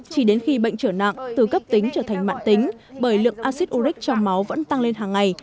chỉ đến khi bệnh trở nặng từ cấp tính trở thành mạng tính bởi lượng acid uric trong máu vẫn tăng lên hàng ngày